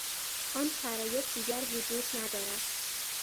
آن شرایط دیگر وجود ندارد.